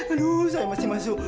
aduh saya masih masuk